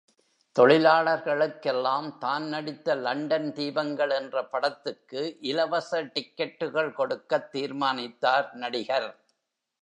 தொழிலாளர்களுக்கெல்லாம் தான் நடித்த லண்டன் தீபங்கள் என்ற படத்துக்கு இலவச டிக்கெட்டுகள் கொடுக்கத் தீர்மானித்தார் நடிகர்.